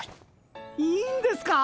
いいんですか！？